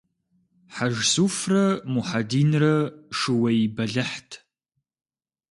Хьэжсуфрэ Мухьэдинрэ шууей бэлыхьт.